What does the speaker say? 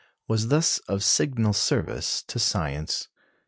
was thus of signal service to science.